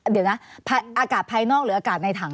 เดี๋ยวนะอากาศภายนอกหรืออากาศในถัง